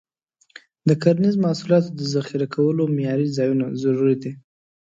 د کرنیزو محصولاتو د ذخیره کولو معیاري ځایونه ضروري دي.